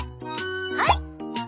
はい！